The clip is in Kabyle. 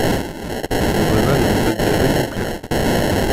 Tebɣiḍ ad nembaddal imukan?